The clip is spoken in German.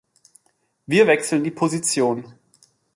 Wir wechseln die Position.